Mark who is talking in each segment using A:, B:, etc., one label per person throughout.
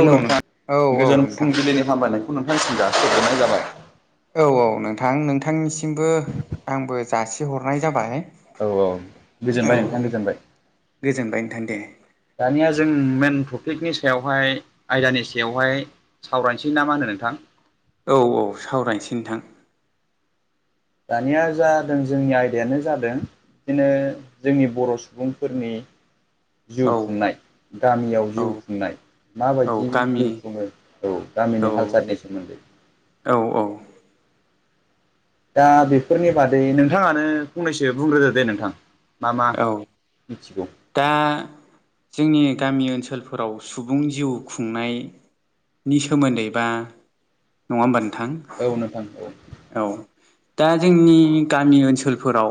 A: औ
B: नों
A: नोंथां
B: औ औ
A: गोजोन
B: नोंथां
A: फुंबिलिनि हामलायनायखौ नोंथांनिसिम जासिहरग्रोनाय जाबाय
B: औ औ नोंथां नोंथांनिसिमबो आंबो जासिहरनाय जाबाय
A: औ औ
B: औ
A: गोजोनबाय नोंथां गोजोनबाय
B: गोजोनबाय नोंथां दे
A: दानिया जों मेन टपिकनि सायावहाय आयदानि सायावहाय सावरायनोसै ना मा होनो नोंथां?
B: औ औ सावरायनोसै नोंथां
A: दानिया जादों जोंनि आयदायानो जादों बिदिनो जोंनि बर' सुबुंफोरनि जिउ
B: औ
A: खुंनाय गामियाव
B: औ
A: जिउ खुंनाय
B: औ
A: माबायदि
B: गामि
A: जिउ खुङो औ दा
B: औ
A: गामिनि हालसालनि सोमोनदै
B: औ औ
A: दा बेफोरनि बादै नोंथाङानो फंनैसो बुंग्रोदो दे नोंथां मा मा
B: औ
A: मिथिगौ
B: दा जोंनि गामि ओनसोलफोराव सुबुं जिउ खुंनाय नि सोमोनदै बा नङा होमबा नों
A: औ नोंथां औ
B: दा जोंनि गामि ओनसोलफोराव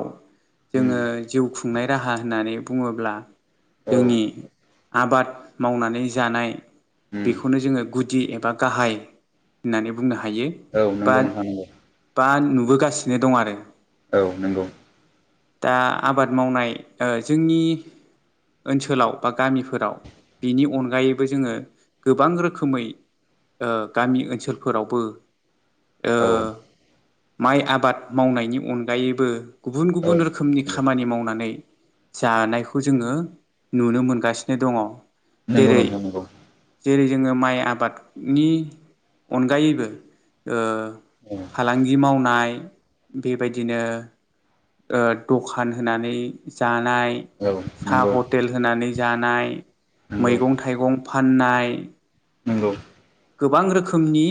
B: जोङो
A: उम
B: जिउ खुंनाय राहा होननानै बुङोब्ला ब्ला
A: औ
B: जोंनि आबाद मावनानै जानाय
A: उम
B: बेखौनो जोङो गुदि एबा गाहाय होननानै बुंनो हायो हायो
A: औ
B: बा
A: नंगौ नोंथां नंगौ
B: बा नुबोगासिनो दं आरो
A: औ नंगौ
B: दा आबाद मावनाय ओ जोंनि ओनसोलाव बा गामिफोराव बिनि अनगायैबो जोङो गोबां रोखोमै ओ गामि ओनसोलफोरावबो ओ
A: औ
B: माइ आबाद मावनायनि अनगायैबो गुबुन
A: औ
B: गुबुन रोखोमनि खामानि मावनानै जानायखौ खौ जोङो नुनो मोनगासिनो दङ'
A: नंगौ
B: जेरै
A: नोंथां नंगौ
B: जेरै जोङो माइ आबादनि अनगायैबो ओ
A: औ
B: फालांगि मावनाय बेबायदिनो ओ द'खान होनानै जानाय
A: औ
B: साहा
A: नंगौ
B: हटेल होनानै जानाय
A: नंगौ
B: मैगं-थाइगं फाननाय
A: नोंगौ
B: गोबां रोखोमनि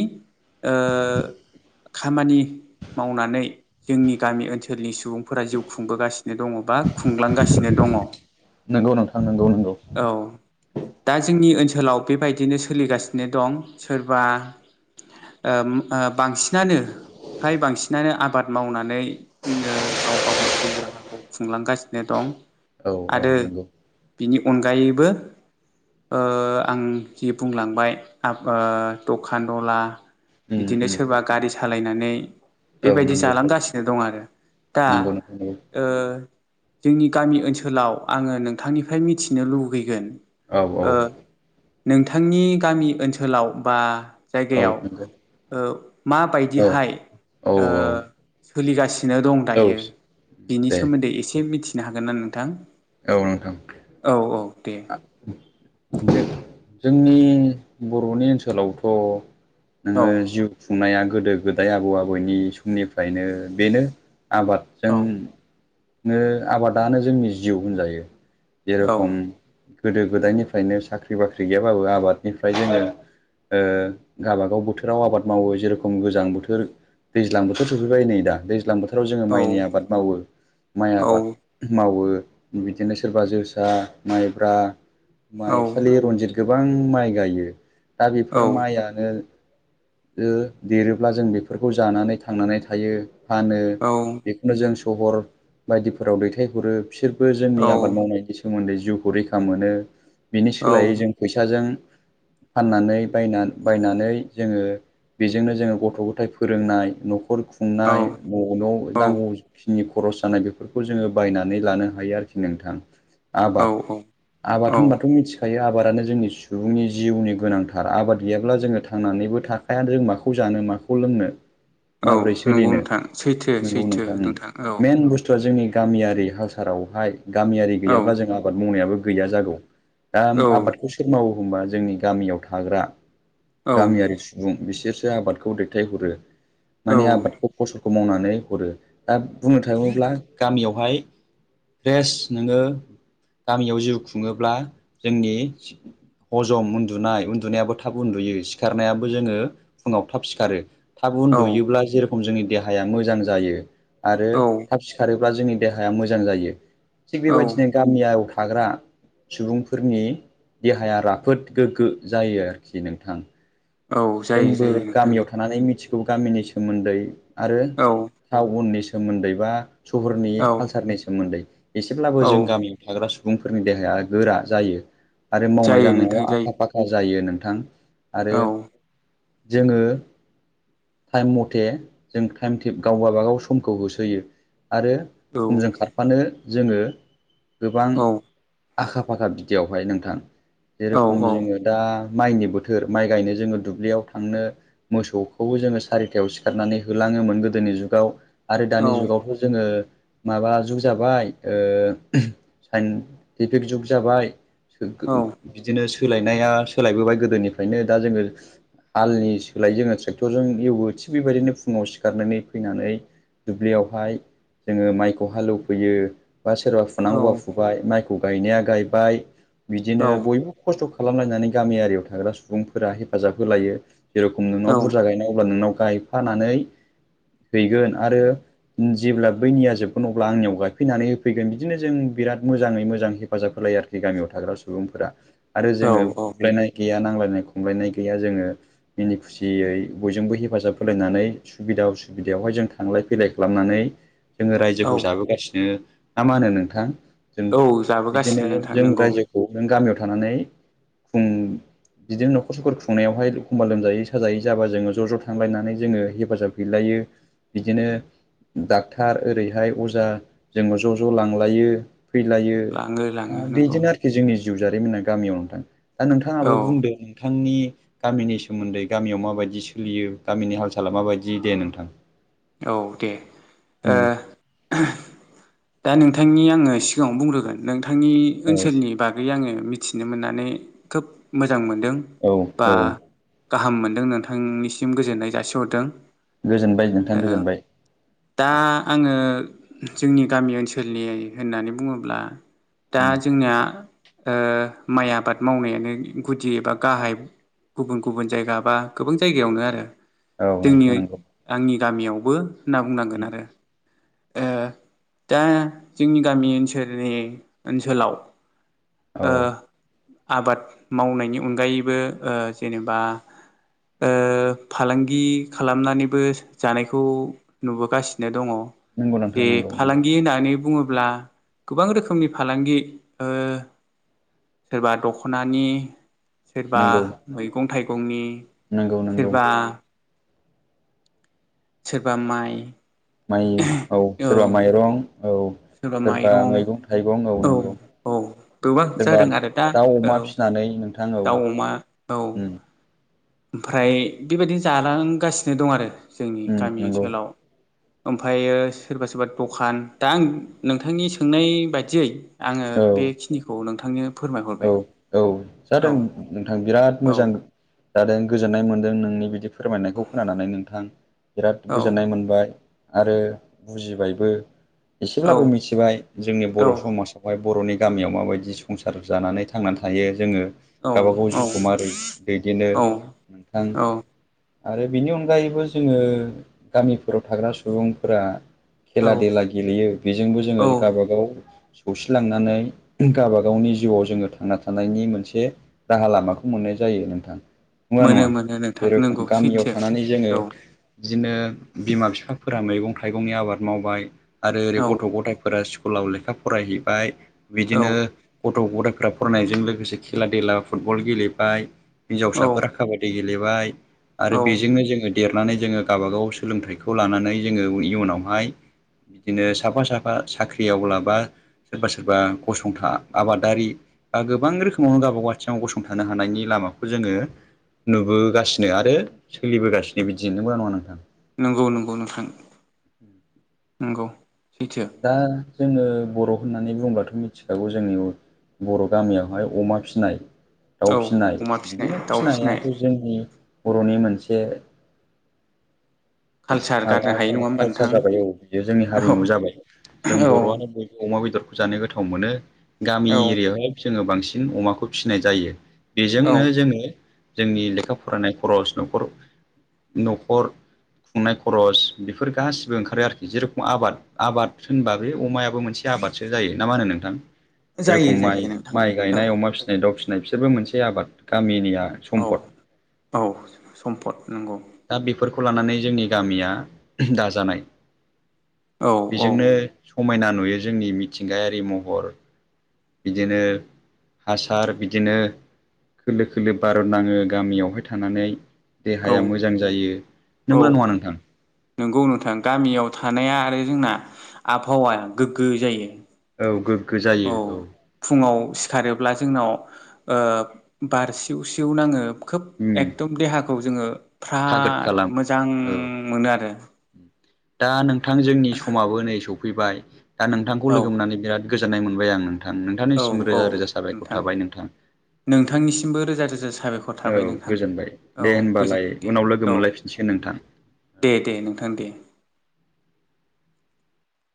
B: ओ खामानि मावनानै जोंनि गामि ओनसोलनि सुबुं बुंफोरा जिउ खुंबोगासिनो दङ' बा खुंलांगासिनो दङ' औ
A: नंगौ नोंथां नंगौ नंगौ
B: दा जोंनि ओनसोलाव बेबायदिनो सोलिगासिनो दं सोरबा ओ ओबांसिनानो फ्राय बांसिनानो आबाद मावनानै ओ गाव गावनि जिउ राहाखौ खुंलांगासिनो दं
A: औ औ
B: आरो
A: नंगौ
B: बिनि अनगायैबो ओ आं जि बुंलांबाय आ दखान दला
A: उम
B: बिदिनो
A: उम
B: सोरबा गारि सालायनानै
A: औ
B: बेबायदि
A: नंगौ
B: जालांगासिनो दं आरो दा
A: नंगौ नंगौ
B: जोंनि गामि ओनसोलाव आङो नोंथांनिफ्राय मिथिनो लुगैगोन
A: औ औ
B: ओ नोंथांनि गामि ओनसोलाव बा
A: औ
B: जायगायाव
A: नंगौ औ
B: माबायदिहाय
A: औ
B: सोलिगासिनो गासिनो दं
A: औ
B: दायो बिनि
A: दे
B: सोमोन्दै एसे मिथिनो हागोन ना नोंथां
A: औ नोंथां
B: औ औ दे
A: दे जोंनि बर'नि ओनसोलावथ'
B: औ
A: नोङो जिउ खुंनाया गोदो गोदाय आबौ आबौनि समनिफ्रायनो बेनो आबादजों नो आबादानो जोंनि जिउ होनजायो
B: औ
A: जेरेखम गोदो गोदायनिफ्रायनो साख्रि बाख्रि गैयाबाबो आबादनिफ्राय जोङो गावाबागाव बोथोराव आबाद मावो जेरखम गोजां बोथोर दैज्लां बोथोर सफैबाय नै दा दैज्लां बोथोर फोथाराव जोङो माइनि
B: औ
A: आबाद मावो माइ
B: औ
A: आबाद मावो बिदिनो सोरबा जोसा माइब्रा
B: औ
A: माइसालि रनजित गोबां माइ गायो दा
B: औ
A: बेफोर माइयानो देरोब्ला जों बेफोरखौ जानानै थांनानै थायो फानो
B: औ
A: बेखौनो जों सहर बायदिफोराव दैथायहरो बिसोरबो
B: औ
A: जोंनि आबाद मावनायनि सोमोन्दै जिउखौ रैखा मोनो बिनि
B: औ
A: सोलायै जों फैसाजों फाननानै बायना बायनानै जोङो बेजोंनो जोङो गथ' गथाय फोरोंनाय न'खर खुंनाय
B: औ
A: ब
B: औ
A: नांगौखिनिखौ खरस जानाय बेफोरखौ जोङो बायनानै लानो हायो आरोखि नोंथां आबाद
B: औ औ
A: आबाद होनबाथ' मिथि खायो आबादानो जोंनि सुबुंनि जिउनि गोनांथार आबाद गैयाब्ला जोङो थांनानैबो थाखायानो जों माखौ जायो जानो माखौ लोंनो
B: औ
A: माबोरै
B: नंगौ
A: सोलिनो
B: नोंथां सैथो
A: नंगौ
B: सैथो
A: नोंथां
B: औ
A: मेन बुस्थुआ जोंनि गामियारि हासारावहाय गामियारि
B: औ
A: गैयाब्ला जों आबाद मावनायाबो गैया जागौ दा
B: औ
A: आबादखौ सोर मावो होमबा जोंनि गामियाव थाग्रा
B: औ
A: गामियारि सुबुं बिसोरसो आबादखौ दैथायहरो माने आबादखौ फसल खौ मावनानै हरो दा बुंनो थाङोब्ला गामियावहाय फ्रेस नोङो गामियाव जिउ खुङोब्ला जोंनि हजम उन्दुनाय उन्दुनायाबो थाब उन्दुयो सिखारनायाबो जोङो फुङाव थाब सिखारो थाब
B: औ
A: उन्दुयोब्ला जेरखम जोंनि देहाया मोजां जायो आरो
B: औ
A: थाब सिखारो जोंनि देहाया मोजां जायो थिग
B: औ
A: बेबायदिनो गामियाव थाग्रा सुबुंफोरनि देहाया राफोद गोग्गो जायो आरोखि नोंथां
B: औ जायो
A: जोंबो
B: जायो नोंथां
A: गामियाव थानानै मिथिगौ गामिनि सोमोन्दै आरो
B: औ
A: थाव उननि स सोमोन्दै बा सहरनि
B: औ
A: काल्सारनि सोमोन्दै एसेब्लाबो
B: औ
A: जों गामियाव थाग्रा सुबुंफोरनि देहाया गोरा जायो आरो मावनाय
B: जायो
A: दांनायाव
B: नोंथां जायो
A: आखा फाखा जायो नोंथां आरो
B: औ
A: जोङो टाइम मथे जों टाइम गाव गाबागाव समखौ होसोयो आरो
B: औ
A: समजों खारफानो जोङो गोबां
B: औ
A: आखा फाखा बिदयावहाय नोंथां
B: औ
A: जेरेखम जोङो दा माइनि बोथोर माइ गायनो जोङो दुब दुब्लियाव थांनो मोसौखौबो जोङो सारिथायाव सिखारनानै होलाङोमोन गोदोनि जुगाव आरो दानि जुगावथ' जोङो माबा जुग जाबाय साइन्टिफिक जुग जाबाय बिदिनो सोलायनाया सोलायबोबाय गोदोनिफ्रायनो दा जोङो आलनि सोलाय जोङो ट्रेक्टरजों एवो थिग बेबायदिनो फुङाव सिखारनानै फैनानै दुब्लियावहाय जोङो माइखौ हालौवफैयो बा सोरबा फुनांगौबा फुबाय माइखौ गायनाया गायबाय बिदिनो
B: औ
A: बयबो खस्थ' खालामलायनानै गामियियाव थाग्रा सुबुंफोरा हेफाजाब होलायो जे रखम नोंनाव
B: औ
A: बुरजा गायनांगौब्ला नोंनाव गायफानानै हैगोन आरो जेब्ला बैनिया जोबगोन अब्ला आंनियाव गायफैनानै होफैगोन बिदिनो जों बिराद मोजाङै मोजां हेफाजाब होन गामियाव थाग्रा सुबुंफोरा आरो जोङो बुलायनाय गैया नांलयनाय खमलायनाय गैया गैया जोोंडो मिनि खुसियै बयजोंबो हेफाजाब होलायनानै सुबिदा उसुबिदायावहाय जों थांलाय फैलाय खालामनानै जोङो रायजोखौ जाबोगासिनो ना मा होनो नोंथां जों
B: औ
A: बिदिनो
B: जाबोगासिनो नोंथां
A: जों
B: नंगौ
A: रायजोखौ नों गामियाव थानानै बिदिनो न'खर स'ख खुंनायावहाय एखमबा लोमजायै साजायै जाबा जोङो ज' ज' थांलायनानै जोङो हेफाजाब हैलायो बिदिनो डाक्टर ओरैहाय अजा जोङो ज' ज' लांलायो फैलायो
B: लाङो लाङो नंगौ
A: बिदिनो आरोखि जोंनि जिउ जारिमिना गामियाव नोंथां दा नोंथाङाबो
B: औ
A: बुंदों नोंथांनि गामिनि सोमोन्दै गामियाव माबायदि सोलियो गामिनि हाल सला माबायदि दे नोंथां
B: औ दे ओ
A: उम
B: दा नोंथांनि आङो सिगाङाव बुंग्रोगोन नोंथांनि
A: औ
B: ओनसोलनि बागै आङो मिथि मिथिनो मोननानै खोब मोजां मोनदों
A: औ
B: बा
A: औ
B: गाहाम मोनदों नोंथांनिसिम गोजोननाय जासिहरदों
A: गोजोनबाय नोंथां
B: ओ
A: गोजोनबाय
B: दा आङो जोंनि गामि ओनसोलनि होननानै बुङोब्ला दा
A: उम
B: जोंनिया माइ आबाद मावनायानो गुदि एबा गाहाय गुबुन गुबुन जायगा बा गोबां जायगायावनो आरो
A: औ
B: जोंनि
A: नोंथां नंगौ
B: आंनि गामियावबो होनना बुंनांगोन आरो दा जोंनि गामि ओनसोलनि ओनसोलाव
A: औ
B: ओ आबाद मावनायनि अनगायैबो जेनेबा फालांगि खालामनानैबो जानायखौ नुबोगासिनो दङ
A: नंगौ नोंथां
B: जे
A: नंगौ नंगौ
B: फालांगि होननानै बुङोब्ला अब्ला गोबां रोखोमनि फालांगि सोरबा दख'नानि सोरबा
A: नंगौ
B: मैगं थाइगंनि
A: नंगौ नंगौ
B: सोरबा सोरबा माइ
A: माइ औ सोरबा माइरं औ सोरबा मैगं थाइगं
B: औ
A: औनांगौ
B: औ गोबां
A: सोरबा
B: जादों आरो दा
A: दाउ अमा
B: औ
A: फिसिनानै नोंथां औ
B: दाउ अमा औ
A: ओम
B: ओमफ्राय बेबायदिनो जालांगासिनो दं आरो जोंनि
A: उम
B: गामि
A: नंगौ
B: ओनसोलाव ओमफ्रायो सोरबा सोरबा दखान दा आं नोंथांनि सोंनाय बायदियै आङो
A: औ
B: बेखिनिखौ नोंथांनो फोरमायहरबाय
A: औ जादों
B: औ
A: नोंथां बिराद
B: औ
A: मोजां जादों गोजोननाय मोनदों नोंनि बिदि फोरमायनायखौ खोनानानै नोंथां बिराद
B: औ
A: गोजोननाय मोनबाय आरो बुजिबायबो
B: औ
A: एसेब्लाबो मिथिबाय जोंनि बर'
B: औ
A: समाजावहाय बर'नि गामियाव माबायदि संसार जानानै थां थांनानै थायो जोङो
B: औ
A: गावबा गाव जिउखौ मारै दैदेनो नोंथां
B: औ
A: आरो बेनि अनगायैबो जोङो गामिफोराव थाग्रा सुबुंफोरा
B: औ
A: खेला देला गेलेयो बेजोंबो जोङो
B: औ
A: गावबागाव सौसिलांनानै गावबा गावनि जिउआव जोङो थांना थानायनि मोनसे राहा लामाखौ मोननाय जायो नोंथां नुवा
B: मोनो
A: नङा
B: मोनो नोंथां
A: जेरखम
B: नंगौ
A: गामियाव
B: सैथो
A: थानानै जोङो
B: औ
A: बिदिनो बिमा बिफाफोर मैगं थाइगंनि आबाद मावबाय आरो ओरै
B: औ
A: गथ' गथायफोरा स्कुलाव लेखा फरायहैबाय
B: औ
A: बिदिनो गथ' गथायफ्रा फरायनायजों लोगोसे खेला देला फुटबल गेलेबाय
B: औ
A: हिनजावसाफोरा खाबादि गेलेबाय आरो
B: औ
A: बेजोंनो जोङो देरनानै जोङो गावबा गाव सोलोंथाइखौ लानानै जोङो इयुनावहाय बिदिनो साफा साफा साख्रिआवब्ला बा सोरबा सोरबा गसंथा आबादारि गोबां रोखोमावनो गावबा गाव आथिङाव गसंथानो हानायनि लामाखौ जोङो नुबोगासिनो आरो सोलिबोगासिनो बिदिनो नंगौना नङा नोंथां
B: नंगौ नंगौ नोंथां नंगौ सैथो
A: दा जोङो बर' होननानै बुङोबाथ' मिथिखागौ जोंनि बर' गामियावहाय अमा फिसिनाय
B: औ
A: दाउ फिसिनाय
B: अमा फिसिनाय
A: बिदिनो
B: दाउ फिसिनाय
A: फिसिनायाथ' जोंनि बर'नि मोनसे
B: खालसा
A: माबा जाबाय कालसार जाबाय औ बियो जोंनि
B: औ
A: हारिमु जाबाय जों
B: औ
A: बर'आनो बयबो अमा बेदर जानो गोथाव मोनो गामि
B: औ
A: एरियायावहाय जोङो बांसिन अमाखौ फिसिनाय जायो
B: औ
A: बेजोंनो जोङो जोंनि लेखा फरायनाय खरस न'खर न'खर खुंनाय खरस बेफोर गासिबो ओंखारो आरोखि जे रखम आबाद आबाद होनबा बे अमायाबो मोनसे आबाद जायो नामा होनो नोंथां जे
B: जायो
A: रखम
B: जायो
A: माइ
B: नोंथां
A: माइ
B: औ
A: गायनाय अमा फिसिनाय दाउ फिसिनाय बिसोरबो मोनसे आबाद गामिनि
B: औ-औ सम्पद नंगौ
A: दा बेफोरखौ लानानै जोंनि गामिया दाजानाय
B: औ औ
A: बेजोंनो समायना नुयो जोंनि मिथिंगायारि महर बिदिनो हासार बिदिनो खोलो खोलो बार' नाङो गामियावहाय थानानै
B: औ
A: देहाया मोजां जायो नंगौना नङा नोंथां
B: नोंगौ नोंथां गामियाव थानाया आरो जोंना आबहावाया गोग्गो जायो
A: औ गोग्गो जायो
B: औ फुङाव सिखारोब्ला जोंनाव ओ बार सिउ सिउ नाङो खोब
A: उम
B: एकदम देहाखौ जोङो
A: थागोद
B: फ्राद
A: खालामो
B: मोजां
A: औ
B: मोनो आरो
A: दा नोंथां जोंनि समाबो नै सफैबाय दा नोंथांखौ
B: औ
A: लोगो मोननानै बिराद गोजोननाय मोनबाय आंङो नोंथां
B: औ
A: नोंथांनिसिम
B: औ
A: रोजा रोजा साबायखर
B: नोंथां
A: थाबाय नोंथां
B: नोंथांनिसिमबो रोजा रोजा साबायखर
A: औ
B: थाबाय नोंथां
A: गोजोनबाय
B: औ
A: दे
B: गोजोन
A: होनबालाय उनाव लोगो मोनलायफिनसिगोन नोंथां दे
B: दे-दे नोंथां दे